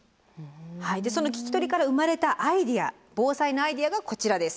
その聞き取りから生まれたアイデア防災のアイデアがこちらです。